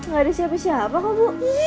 gak ada siapa siapa kok bu